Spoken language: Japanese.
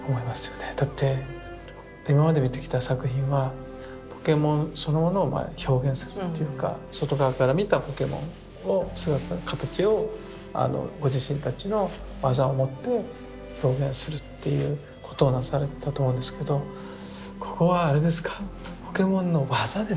だって今まで見てきた作品はポケモンそのものを表現するっていうか外側から見たポケモンを姿形をご自身たちの技をもって表現するっていうことをなされたと思うんですけどここはあれですかポケモンの技ですか。